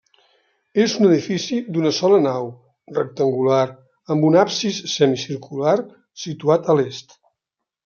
És un edifici d'una sola nau, rectangular, amb un absis semicircular situat a l'est.